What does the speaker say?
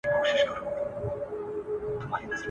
ښځه او سړی د سړک له تېرېدو وروسته ورک شول.